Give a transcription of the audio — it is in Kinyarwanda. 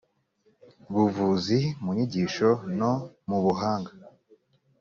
buvuzi mu nyigisho no mu buhanga